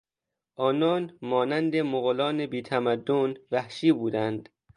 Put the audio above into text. آنان مانند مغولان بیتمدن وحشی بودند.